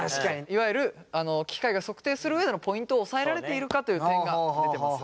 いわゆる機械が測定する上でのポイントを押さえられているかという点が出てます。